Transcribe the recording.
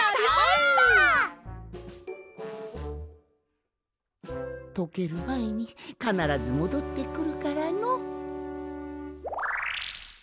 やりました！とけるまえにかならずもどってくるからの。